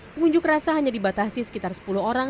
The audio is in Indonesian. pengunjuk rasa hanya dibatasi sekitar sepuluh orang